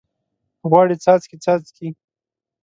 غواړي څاڅکي، څاڅکي